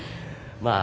まあ。